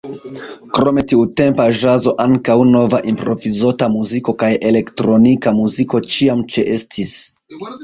Krom tiutempa ĵazo ankaŭ nova improvizota muziko kaj elektronika muziko ĉiam ĉeestis.